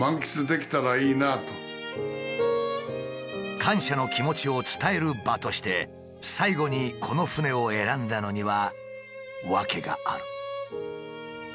感謝の気持ちを伝える場として最後にこの船を選んだのには訳がある。